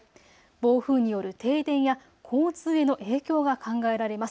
暴風による停電や交通への影響が考えられます。